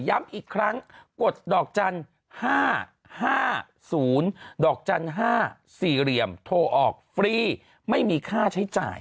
ย้ำอีกครั้งกดดอกจันทร์๕๕๐๕๔โทรออกฟรีไม่มีค่าใช้จ่าย